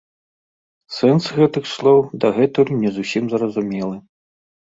Сэнс гэтых слоў дагэтуль не зусім зразумелы.